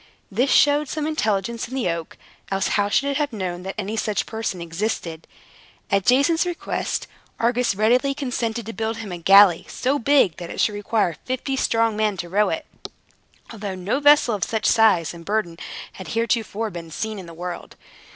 This showed some intelligence in the oak; else how should it have known that any such person existed? At Jason's request, Argus readily consented to build him a galley so big that it should require fifty strong men to row it; although no vessel of such a size and burden had heretofore been seen in the world.